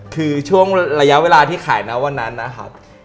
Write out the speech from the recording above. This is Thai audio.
คือช่วงระยะเวลาที่ขายนะวันนั้นนะครับ